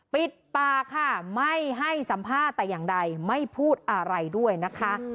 ปิดปากค่ะไม่ให้สัมภาษณ์แต่อย่างใดไม่พูดอะไรด้วยนะคะ